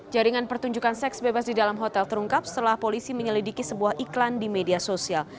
jaringan pertunjukan seks bebas di dalam hotel terungkap setelah polisi menyelidiki sebuah iklan di media sosial